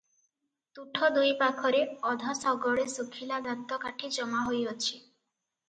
ତୁଠ ଦୁଇ ପାଖରେ ଅଧ ଶଗଡେ ଶୁଖିଲା ଦାନ୍ତକାଠି ଜମାହୋଇ ଅଛି ।